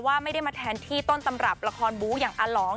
ว่าไม่ได้มาแทนที่ต้นตำรับละครบูอย่างอาหลอง